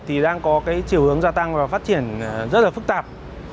thì đang có cái chiều hướng gia tăng và phát triển rất là phức tạp